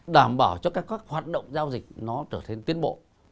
đảm bảo cho các hoạt động giao dịch nó trở thành tiến bộ